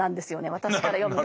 私から読むと。